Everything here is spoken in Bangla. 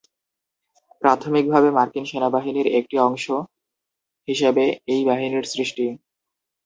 প্রাথমিকভাবে মার্কিন সেনাবাহিনীর একটি অংশ হিসেবে এই বাহিনীর সৃষ্টি।